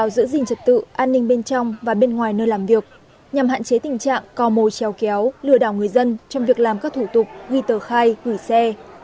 đảm bảo giữ gìn trật tự an ninh bên trong và bên ngoài nơi làm việc nhằm hạn chế tình trạng cò mồi treo kéo lừa đảo người dân trong việc làm các thủ tục ghi tờ khai gửi xe